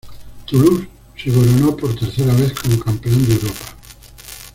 Toulouse se coronó por tercera vez como Campeón de Europa.